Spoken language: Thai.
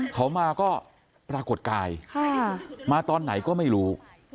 เขามาก็ปรากฏกายมาตอนไหนก็ไม่รู้